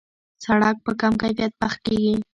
سړک په کم کیفیت پخ کړي.